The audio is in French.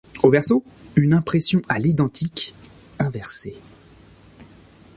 Au verso, une impression à l'identique inversée.